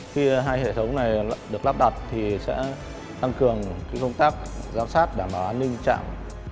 khi hai hệ thống này được lắp đặt thì sẽ tăng cường công tác giám sát đảm bảo an ninh trạm